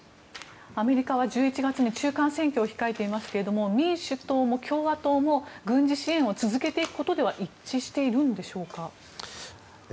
アメリカは１１月に中間選挙を控えていますが民主党も共和党も軍事支援を続けていくことで一致しているんでしょうか。